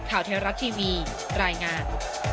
ข่าวเทวรัฐทีวีรายงาน